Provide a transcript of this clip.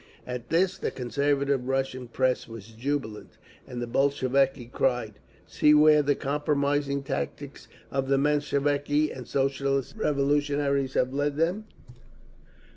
At this the conservative Russian press was jubilant, and the Bolsheviki cried, "See where the compromising tactics of the Mensheviki and Socialist Revolutionaries have led them!"